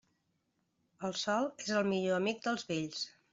El sol és el millor amic dels vells.